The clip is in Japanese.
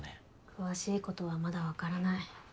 詳しいことはまだわからない。